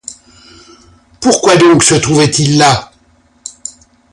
Pourquoi donc se trouvait-il là?